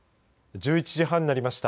１１時半になりました。